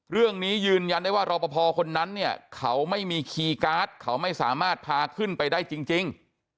ยืนยันได้ว่ารอปภคนนั้นเนี่ยเขาไม่มีคีย์การ์ดเขาไม่สามารถพาขึ้นไปได้จริง